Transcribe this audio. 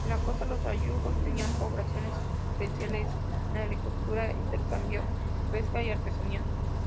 En la costa, los ayllus tenían poblaciones especializadas en agricultura, intercambio, pesca y artesanía.